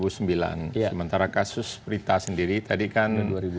sementara kasus berita sendiri tadi kan dua ribu delapan